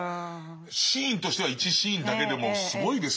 シーンとしては１シーンだけでもすごいですね。